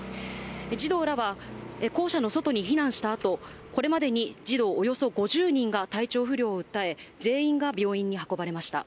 児童らは校舎の外に避難したあと、これまでに児童およそ５０人が体調不良を訴え、全員が病院に運ばれました。